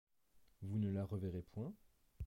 Vous ne la reverrez point ?